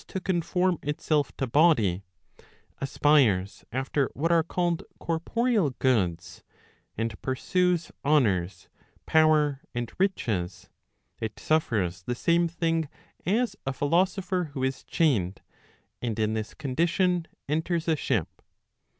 3 M Digitized by boogie 458 ON PROVIDENCE conform itself to body, aspires after what are called corporeal goods, and pursues honours, power and riches, it suffers the same thing as a philoso¬ pher who is chained, and in this condition enters a ship.